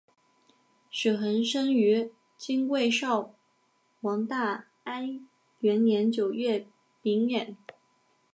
许衡生于金卫绍王大安元年九月丙寅。